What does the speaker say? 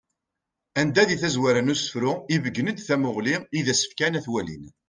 Anda di tazwara n usefru ibeggen-d tamuɣli i d-as-fkan twalin.